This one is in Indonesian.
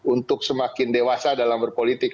untuk semakin dewasa dalam berpolitik